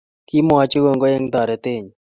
kimwachi kongoi eng taretenyi